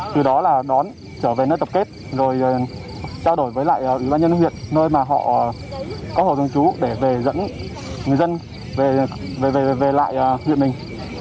từ đó là đón trở về nơi tập kết rồi trao đổi với lại ủy ban nhân huyện nơi mà họ có hộ dân chú để về dẫn người dân về lại huyện mình